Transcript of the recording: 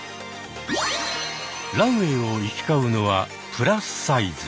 ランウェーを行き交うのはプラスサイズ。